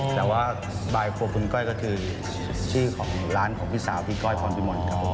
แต่ว่าบายครัวคุณก้อยก็คือชื่อของร้านของพี่สาวพี่ก้อยพรพิมนต์เขา